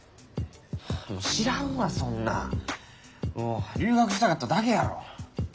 知らんわそんなん。留学したかっただけやろ。